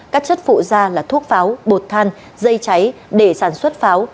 các chất phụ da là thuốc pháo bột than dây cháy để sản xuất pháo